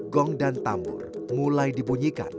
gong dan tambur mulai dibunyikan